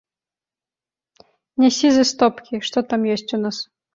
Нясі з істопкі, што там ёсць у нас.